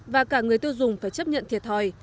và cả người tiêu dùng phải chấp nhận thiệt thòi